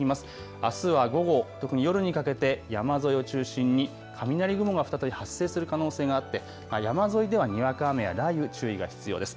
あすは午後、特に夜にかけて山沿いを中心に雷雲が再び発生する可能性があって山沿いでは、にわか雨や雷雨、注意が必要です。